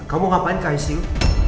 kamu ngapain ke icu